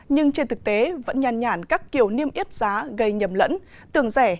nhưng trên thực tế vẫn nhàn nhản các kiểu niêm yết giá gây nhầm lẫn tưởng rẻ